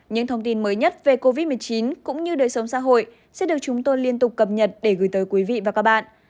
những thông tin mới nhất về covid một mươi chín cũng như đời sống xã hội sẽ được chúng tôi liên tục cập nhật để gửi tới quý vị và các bạn